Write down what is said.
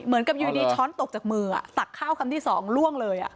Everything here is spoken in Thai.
อยู่ดีช้อนตกจากมือตักข้าวคำที่สองล่วงเลย